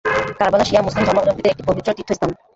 কারবালা শিয়া মুসলিম ধর্মাবলম্বীদের একটি পবিত্র তীর্থস্থান।